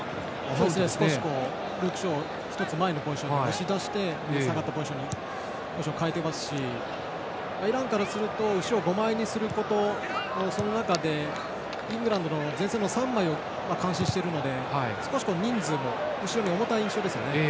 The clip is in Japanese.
少しルーク・ショーを１つ前のポジションに押し出して下がったポジションに多少、変えていますしイランからすると後ろを５枚にすること、その中でイングランドの前線の３枚を監視しているので少し人数も後ろに重たい印象です。